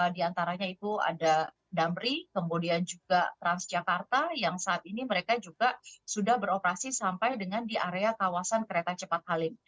di antaranya itu ada damri kemudian juga transjakarta yang saat ini mereka juga sudah beroperasi sampai dengan di area kawasan kereta cepat halim